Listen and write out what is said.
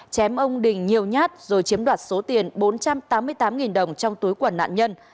chém ông đình nhiều nhát rồi chiếm đoạt số tiền bốn trăm tám mươi tám đồng trong túi quần nạn nhân